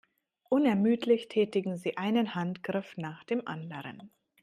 Unermüdlich tätigen sie einen Handgriff nach dem anderen.